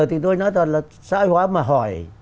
thì tôi nói toàn là sợi hóa mà hỏi